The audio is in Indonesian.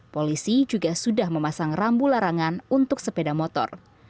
polisi juga sudah memasang rambu larangan untuk sepeda motor